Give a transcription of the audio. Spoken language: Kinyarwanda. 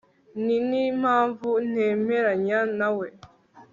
ninimpamvu ntemeranya nawe